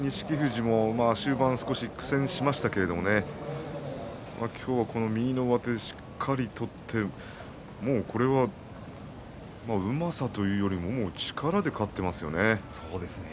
終盤少し苦戦しましたけどね今日は右の上手をしっかり取ってもうこれは、うまさというより力で勝っていますよね。